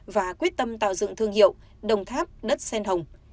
và quyết tâm tạo dựng thương hiệu đồng tháp đất sen hồng